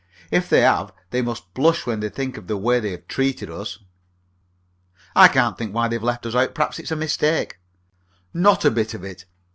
If they have, they must blush when they think of the way they have treated us." "I can't think why they've left us out. Perhaps it's a mistake." "Not a bit of it.